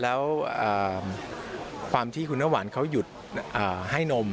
แล้วความที่คุณน้ำหวานเขาหยุดให้นม